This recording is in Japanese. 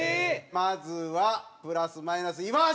まずはプラス・マイナス岩橋！